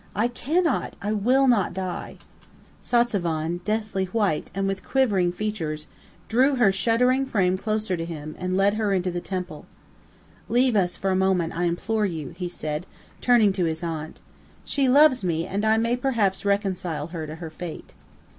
I cannot I will not die!" Satzavan, deathly white, and with quivering features, drew her shuddering frame closer to him, and led her into the temple. "Leave us for a moment, I implore you," he said, turning to his aunt. "She loves me, and I may perhaps reconcile her to her fate."